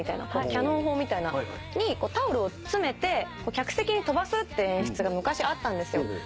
キャノン砲みたいなタオルを詰めて客席に飛ばすっていう演出が昔あったんですよ。